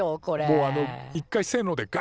もうあの一回「せの」でガ